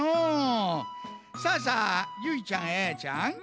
さあさあゆいちゃんあやちゃん